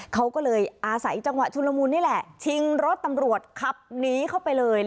เขาก็เลยอาศัยจังหวะชุลมูลนี่แหละชิงรถตำรวจขับหนีเข้าไปเลย